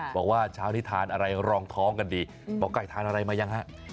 บอกว่าเช้านี้ทานอะไรรองท้องกันดีหมอไก่ทานอะไรมายังฮะ